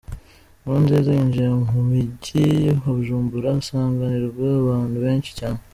Nkurunziza yinjiye mu mujyi wa Bujumbura asanganirwa n’abantu benshi cyane